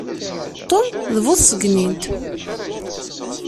Tom d bu tṣegnint.